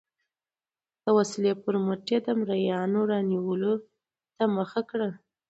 د وسلې پر مټ یې د مریانو رانیولو ته مخه کړه.